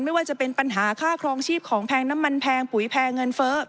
ไม่ว่าจะเป็นปัญหาค่าครองชีพของแพงน้ำมันแพงปุ๋ยแพงเงินเฟ้อ